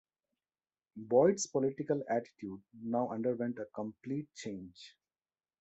Boyd's political attitude now underwent a complete change.